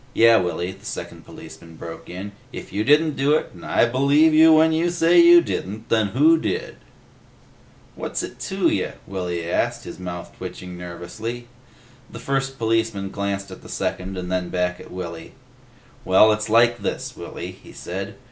"Yeh, Willy," the second policeman broke in, "if you didn't do it, and I believe you when you say you didn't, then who did?" "What's it to ya?" Willy asked, his mouth twitching nervously. The first policeman glanced at the second and then back at Willy. "Well, it's like this, Willy," he said.